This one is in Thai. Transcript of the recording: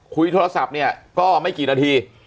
คุยโทรศัพท์เนี่ยก็ไม่กี่นาที